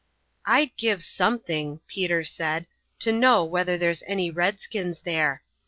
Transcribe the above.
"I'd give something," Peter said, "to know whether there's any redskins there.